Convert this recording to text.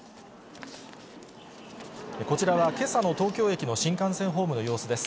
こちらはけさの東京駅の新幹線ホームの様子です。